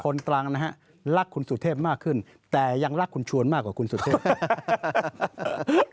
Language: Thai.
ตรังนะฮะรักคุณสุเทพมากขึ้นแต่ยังรักคุณชวนมากกว่าคุณสุเทพ